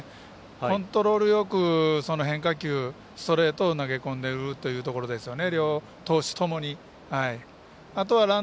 コントロール力、その変化球ストレートを投げ込んでいるというところですよね。